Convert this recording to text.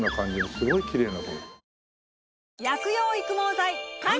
すごいきれいになるよ。